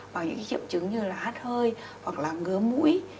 và những triệu chứng như là hát hơi hoặc là ngớ mũi